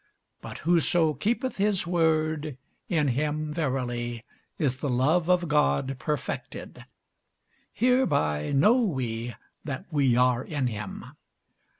But whoso keepeth his word, in him verily is the love of God perfected: hereby know we that we are in him.